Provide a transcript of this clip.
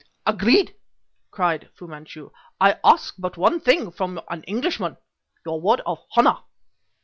"Agreed!" cried Fu Manchu. "I ask but one thing from an Englishman; your word of honor?"